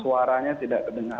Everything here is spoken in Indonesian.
suaranya tidak terdengar